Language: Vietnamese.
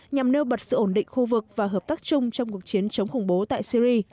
nhằm nêu bật sự ổn định khu vực và hợp tác chung trong cuộc chiến chống khủng bố tại syri